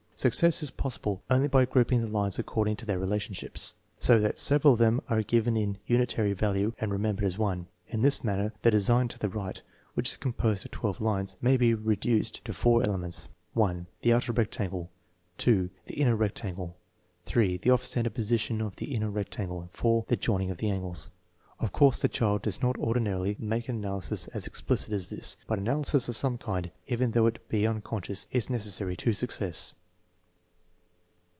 Success is possible only by grouping the lines according to their relationships, so that several of them are given a unitary value and remem bered as one. In this manner, the design to the right, which is composed of twelve lines, may be reduced to four ele ments: (1) The outer rectangle; (2) the inner rectangle; (8) the off center position of the inner rectangle; and (4) the joining of the angles. Of course the child does not or dinarily make an analysis as explicit as this; but analysis of some kind, even though it be unconscious, is necessary to success.